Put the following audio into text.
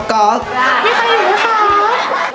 พี่ต้องอยู่ไหมคะ